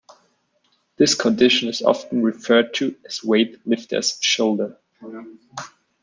This condition is often referred to as "weight lifter's shoulder".